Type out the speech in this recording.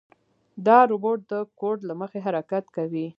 دا روبوټ د کوډ له مخې حرکت کوي.